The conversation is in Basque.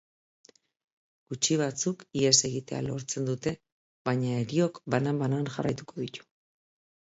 Gutxi batzuk ihes egitea lortzen dute, baina heriok banan banan jarraituko ditu.